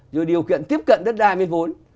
rồi điều kiện tiếp cận đất đai mới vốn